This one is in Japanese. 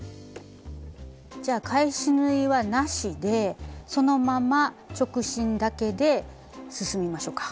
じゃあ返し縫いはなしでそのまま直進だけで進みましょか。